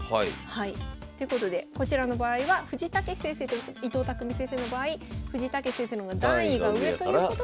ということでこちらの場合は藤井猛先生と伊藤匠先生の場合藤井猛先生の方が段位が上ということで。